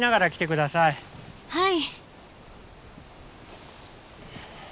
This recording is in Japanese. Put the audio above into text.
はい。